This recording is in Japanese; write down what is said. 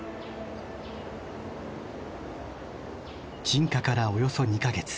鎮火からおよそ２か月。